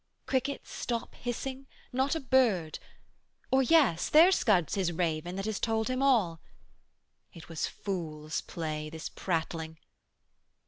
Crickets stop hissing; not a bird or, yes, 285 There scuds His raven that has told Him all! It was fool's play, this prattling!